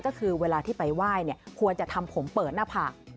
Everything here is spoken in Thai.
ก็คือเวลาที่ไปไหว้เนี่ยควรจะทำผมเปิดหน้าผาก